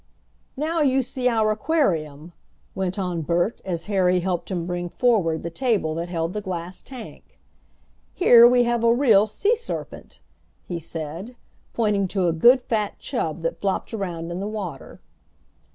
"Now you see our aquarium," went on Bert as Harry helped him bring forward the table that held the glass tank. "Here we have a real sea serpent," he said, pointing to a good fat chub that flopped around in the water.